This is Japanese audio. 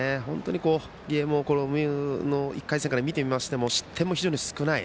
ゲームを１回戦から見てみましても失点も少ない。